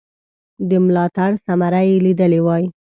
د ملاتړ ثمره یې لیدلې وای.